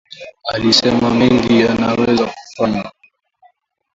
alisema mengi yanaweza kufanywa